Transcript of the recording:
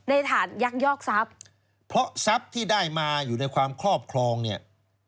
ฐานยักยอกทรัพย์เพราะทรัพย์ที่ได้มาอยู่ในความครอบครองเนี่ย